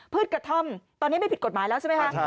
กระท่อมตอนนี้ไม่ผิดกฎหมายแล้วใช่ไหมคะ